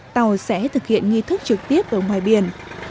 tàu sẽ thực hiện nghi thức trực tiếp ở ngoài biển